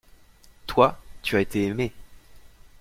Toi, tu as été aimé.